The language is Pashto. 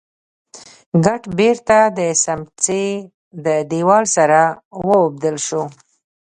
ګټ بېرته د سمڅې د دېوال سره واوبدل شو.